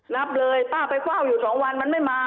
นับเลยป้าไปค่าวอยู่๒วันมันไม่มา